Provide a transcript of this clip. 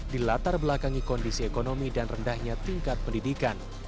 dilatar belakangi kondisi ekonomi dan rendahnya tingkat pendidikan